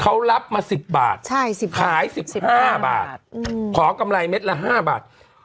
เขารับมา๑๐บาทขาย๑๕บาทขอกำไรเม็ดละ๕บาท